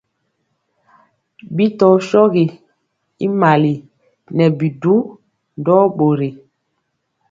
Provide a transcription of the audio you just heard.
Bi tɔɔ shɔgi y mali, nɛ bidu ndɔɔ bori.